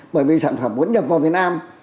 bởi vì sản phẩm muốn nhập vào việt nam